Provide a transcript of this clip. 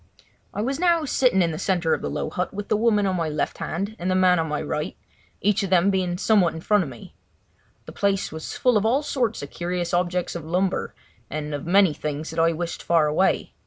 I was now sitting in the centre of the low hut with the woman on my left hand and the man on my right, each of them being somewhat in front of me. The place was full of all sorts of curious objects of lumber, and of many things that I wished far away.